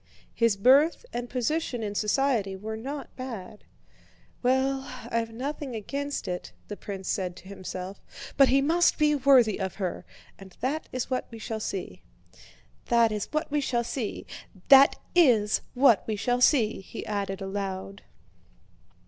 His birth and position in society were not bad. "Well, I've nothing against it," the prince said to himself, "but he must be worthy of her. And that is what we shall see." "That is what we shall see! That is what we shall see!" he added aloud.